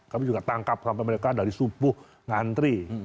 kami juga tangkap sampai mereka dari subuh ngantri